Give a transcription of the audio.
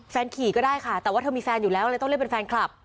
ขี่ก็ได้ค่ะแต่ว่าเธอมีแฟนอยู่แล้วเลยต้องเล่นเป็นแฟนคลับ